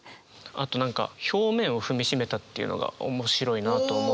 あと何か「表面を踏みしめた」っていうのが面白いなと思って。